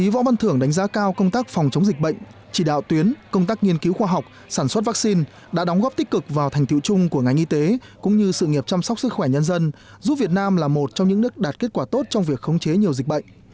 võ văn thưởng đánh giá cao công tác phòng chống dịch bệnh chỉ đạo tuyến công tác nghiên cứu khoa học sản xuất vaccine đã đóng góp tích cực vào thành tiệu chung của ngành y tế cũng như sự nghiệp chăm sóc sức khỏe nhân dân giúp việt nam là một trong những nước đạt kết quả tốt trong việc khống chế nhiều dịch bệnh